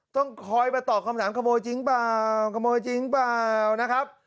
ต้องคอยมาตอบคำถามขโมยจริงเปล่าขโมยจริงเปล่านะครับ